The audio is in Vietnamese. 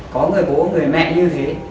có người bố người mẹ như thế